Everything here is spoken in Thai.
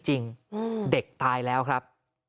จริงเด็กตายแล้วครับ